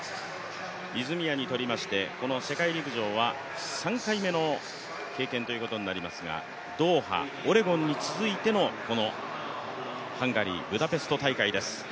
泉谷にとりましてこの世界陸上は３回目の経験ということになりますがドーハ、オレゴンに続いてのこのハンガリー・ブダペスト大会です。